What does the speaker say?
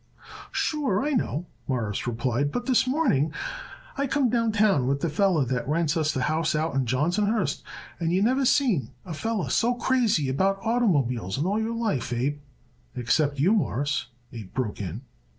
"Sure, I know," Morris replied, "but this morning I come downtown with the feller what rents us the house out in Johnsonhurst and you never seen a feller so crazy about oitermobiles in all your life, Abe." "Except you, Mawruss," Abe broke in.